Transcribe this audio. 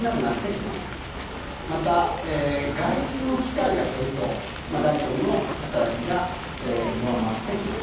またえ外出の機会が減るとまあ大腸の働きが弱まってきます。